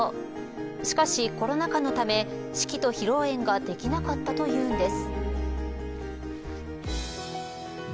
しかし、コロナ禍のため式と披露宴ができなかったというんです。